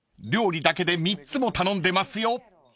料理だけで３つも頼んでますよ］